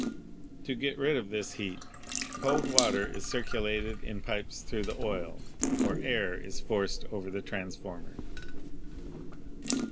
To get rid of this heat, cold water is circulated in pipes through the oil or air is forced over the transformer.